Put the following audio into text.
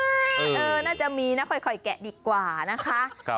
น่าจะมีนะค่อยแกะดีกว่านะคะ